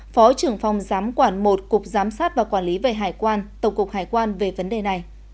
phó trưởng phòng giám quản i cục giám sát và quản lý về hải quan tổng cục hải quan về vấn đề này